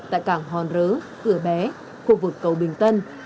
tại cảng hòn rớ cửa bé khu vực cầu bình tân